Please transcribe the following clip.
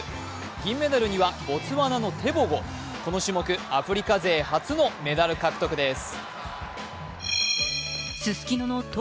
銀メダルにはボツワナのテボゴ、この種目、アフリカ勢初の、メダル獲得です。